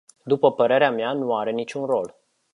După părerea mea, nu are niciun rol.